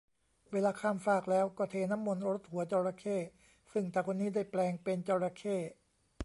เวลาข้ามฟากแล้วก็เทน้ำมนต์รดหัวจระเข้ ซึ่งตาคนนี้ได้แปลงเป็นจระเข้